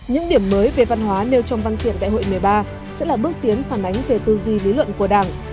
những điểm mới về văn hóa nêu trong văn kiện đại hội một mươi ba sẽ là bước tiến phản ánh về tư duy lý luận của đảng